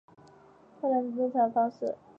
后两种是正常的方式。